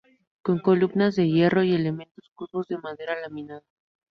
Con columnas de hierro y elementos curvos de madera laminada.